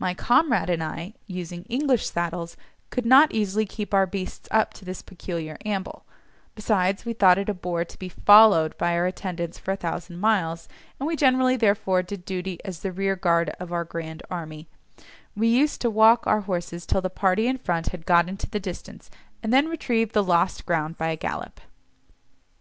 My comrade and I, using English saddles, could not easily keep our beasts up to this peculiar amble; besides, we thought it a bore to be followed by our attendants for a thousand miles, and we generally, therefore, did duty as the rearguard of our "grand army"; we used to walk our horses till the party in front had got into the distance, and then retrieve the lost ground by a gallop.